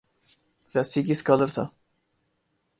کلاسیکی سکالر تھا۔